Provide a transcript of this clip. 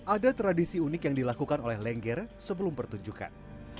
ada tradisi unik yang dilakukan oleh lengger sebelum pertunjukan